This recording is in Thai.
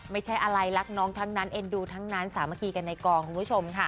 ไม่ใช่อะไรรักน้องทั้งนั้นเอ็นดูทั้งนั้นสามัคคีกันในกองคุณผู้ชมค่ะ